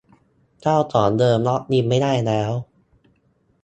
เจ้าของเดิมล็อกอินไม่ได้แล้ว